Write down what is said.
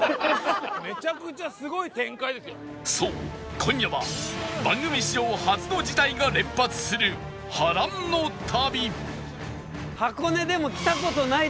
そう今夜は番組史上初の事態が連発する波乱の旅